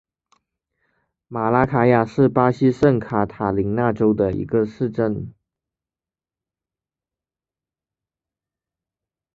马拉卡雅是巴西圣卡塔琳娜州的一个市镇。